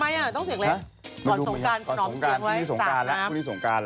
พี่นี่สงการแล้วนี่ไง